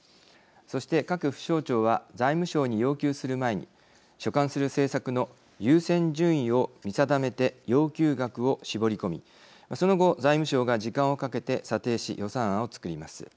そして、各府省庁は財務省に要求する前に所管する政策の優先順位を見定めて要求額を絞り込みその後、財務省が時間をかけて査定し予算案を作ります。